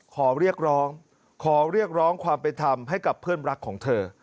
ขอเรียกร้องขอเรียกร้องความเป็นธรรมให้กับเพื่อนรักของเธอ